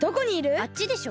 あっちでしょ。